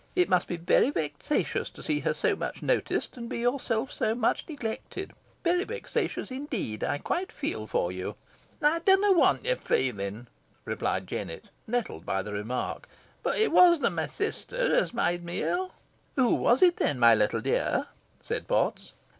"It must be very vexatious to see her so much noticed, and be yourself so much neglected very vexatious, indeed I quite feel for you." "By dunna want your feelin'," replied Jennet, nettled by the remark; "boh it wasna my sister os made me ill." "Who was it then, my little dear," said Potts.